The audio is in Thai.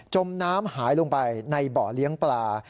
มน้ำหายลงไปในเบาะเลี้ยงปลา